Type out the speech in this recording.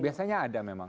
biasanya ada memang